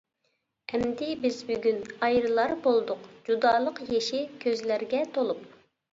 ئەمدى بىز بۈگۈن ئايرىلار بولدۇق، جۇدالىق يېشى كۆزلەرگە تولۇپ.